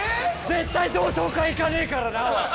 絶対同窓会行かねえからなおい！